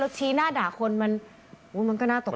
แล้วชี้หน้าด่าคนมันก็น่าตกใจค่ะ